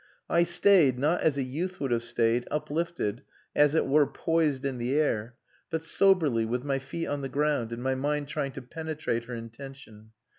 I stayed, not as a youth would have stayed, uplifted, as it were poised in the air, but soberly, with my feet on the ground and my mind trying to penetrate her intention.